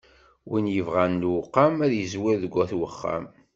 Win yebɣam luqam, ad yezwir deg wat uxxam.